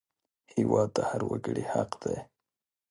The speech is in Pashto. هېواد د هر وګړي حق دی